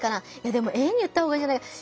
でもＡに言った方がいいんじゃ。